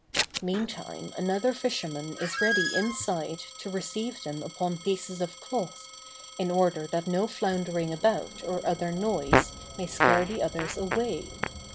Meantime another fisherman is ready inside to receive them upon pieces of cloth, in order that no floundering about or other noise may scare the others away.